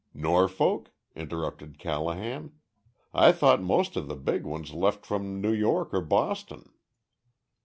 "Norfolk?" interrupted Callahan. "I thought most of the big ones left from New York or Boston."